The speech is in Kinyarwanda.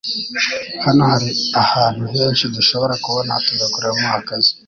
Hano hari ahantu henshi dushobora kubona tugakoreramo akazi .